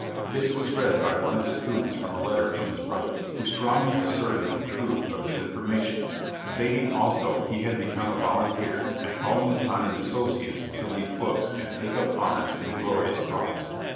This was read by one of the students from a letter from his brother, who strongly asserted the truth of his information, stat ing also that he had become a volunteer and calling upon his asso ciates to leave books and take up arms in the glorious cause.